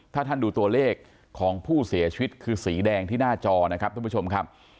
ถ้าท่านดูตัวเลขของผู้เสียชีวิตคือสีแดงที่หน้าจอนะครับท่านผู้ชมครับ